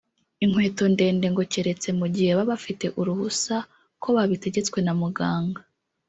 inkweto ndende ngo keretse mu gihe baba bafite uruhusa ko babitegetswe na muganga